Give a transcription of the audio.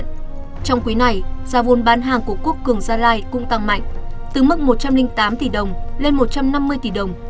trong quý này giá vốn bán hàng của quốc cường gia lai cũng tăng mạnh từ mức một trăm linh tám tỷ đồng lên một trăm năm mươi tỷ đồng